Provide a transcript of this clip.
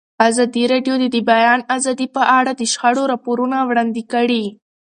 ازادي راډیو د د بیان آزادي په اړه د شخړو راپورونه وړاندې کړي.